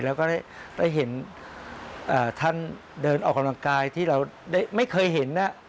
แล้วก็ได้เห็นท่านเดินออกกำลังกายที่เราได้ไม่เคยเห็น